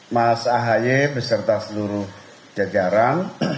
mas ahaye beserta seluruh jajaran